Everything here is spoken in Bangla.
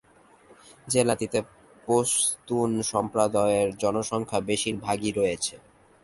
জেলাটিতে পশতুন সম্প্রদায়ের জনসংখ্যা বেশির ভাগই রয়েছে।